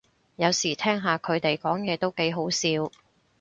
有時聽下佢哋講嘢都幾好笑